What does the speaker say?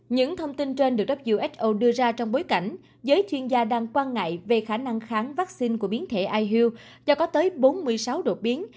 những thông tin trên được who đưa ra trong bối cảnh giới chuyên gia đang quan ngại về khả năng kháng vaccine của biến thể ihu cho có tới bốn mươi sáu đột biến